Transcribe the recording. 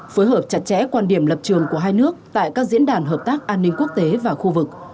phối hợp chặt chẽ quan điểm lập trường của hai nước tại các diễn đàn hợp tác an ninh quốc tế và khu vực